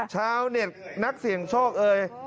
ชาวเน็ตนักเสี่ยงโชคเอ่ย